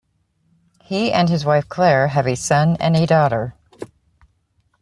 He and his wife Clare have a son and a daughter.